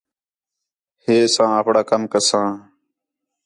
ہے ساں اپݨاں کَم کساں